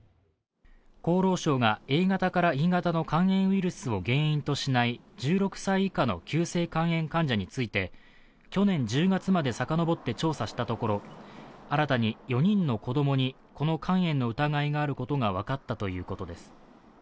厚労省がＡ型からＥ型の肝炎ウイルスを原因としない１６歳以下の急性肝炎患者について去年１０月までさかのぼって調査したところ、新たに４人の子供にこの肝炎の疑いがあることが分かったということです。